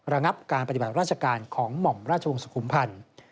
ระงับการปฏิบัติราชการของหม่อมราชวงศ์สุขุมพันธ์